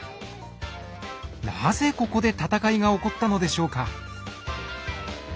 なぜここで戦いが起こったのでしょうか？